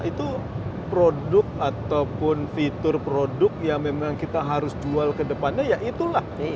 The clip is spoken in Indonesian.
itu produk ataupun fitur produk yang memang kita harus jual ke depannya ya itulah